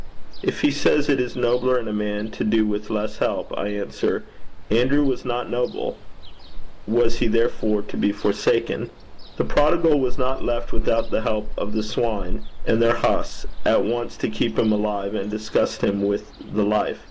If he says it is nobler in a man to do with less help, I answer, 'Andrew was not noble: was he therefore to be forsaken? The prodigal was not left without the help of the swine and their husks, at once to keep him alive and disgust him with the life.